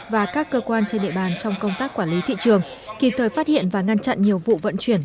và các cơ quan trên địa bàn trong công tác quản lý thị trường kịp thời phát hiện và ngăn chặn nhiều vụ vận chuyển